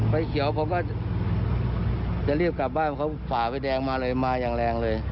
ไฟเขียวผมก็จะรีบกลับบ้านเขาฝ่าไฟแดงมาเลยมาอย่างแรงเลย